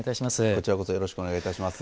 こちらこそよろしくお願いいたします。